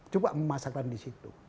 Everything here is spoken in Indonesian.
coba memasakkan di situ